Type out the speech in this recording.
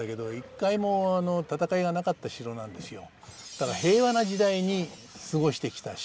だから平和な時代に過ごしてきた城。